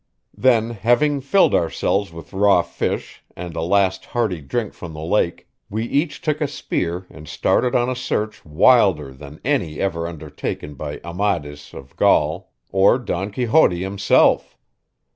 Then, having filled ourselves with raw fish and a last hearty drink from the lake, we each took a spear and started on a search wilder than any ever undertaken by Amadis of Gaul or Don Quixote himself.